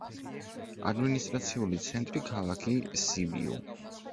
ადმინისტრაციული ცენტრი ქალაქი სიბიუ.